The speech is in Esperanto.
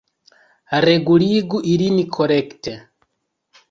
Reguligu ilin korekte!